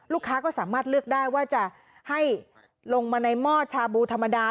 ลูกค้าก็สามารถเลือกได้ว่าจะให้ลงมาในหม้อชาบูธรรมดา